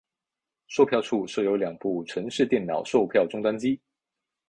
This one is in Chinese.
售票处设有两部城市电脑售票终端机。